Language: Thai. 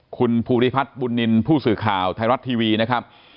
คุณภูริพัฒน์บุญนินทร์ผู้สื่อข่าวไทยรัฐทีวีนะครับ